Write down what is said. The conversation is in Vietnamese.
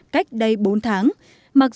cách đây bốn tháng